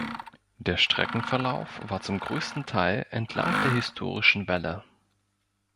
Der Streckenverlauf war zum größten Teil entlang der historischen Wälle.